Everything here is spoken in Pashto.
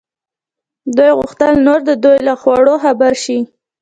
دوی غوښتل نور د دوی له خوړو خبر شي.